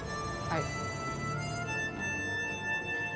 はい。